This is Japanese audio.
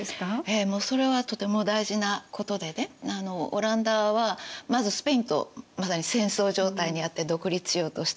もうそれはとても大事なことでねオランダはまずスペインとまさに戦争状態にあって独立しようとしている。